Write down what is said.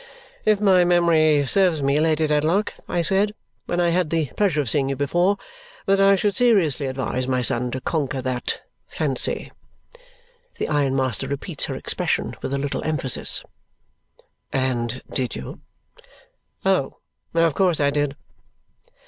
"If my memory serves me, Lady Dedlock, I said, when I had the pleasure of seeing you before, that I should seriously advise my son to conquer that fancy." The ironmaster repeats her expression with a little emphasis. "And did you?" "Oh! Of course I did."